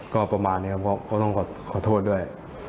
ก็ประมาณนี้ครับก็ต้องขอโทษด้วย